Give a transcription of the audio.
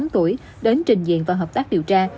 bốn mươi tám tuổi đến trình diện và hợp tác điều tra